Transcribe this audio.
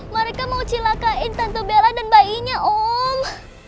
mereka mau celakain tante bella dan bayinya om